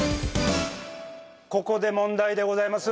ここで問題でございます。